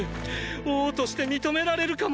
王として認められるかも！